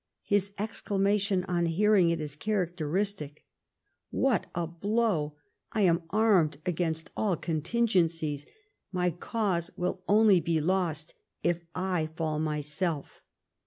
His exclamation on hearing it is characteristic. "What a blow ! I am armed against all contingencies ; my cause will only be lost if I fall myself